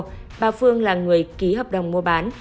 trước tòa bà phương là người ký hợp đồng mua bán